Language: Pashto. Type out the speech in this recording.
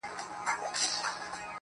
ژوندی انسان و حرکت ته حرکت کوي.